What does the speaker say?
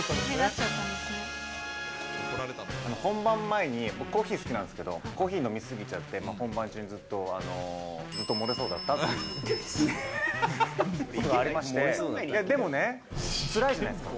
本番前に僕、コーヒー好きなんですけど、コーヒー飲み過ぎちゃって、本番中にずっと、ずっと漏れそうだったっていうことがありまして、でもね、つらいじゃないですか。